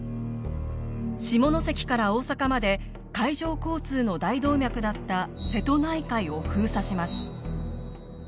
下関から大坂まで海上交通の大動脈だった瀬戸内海を封鎖します。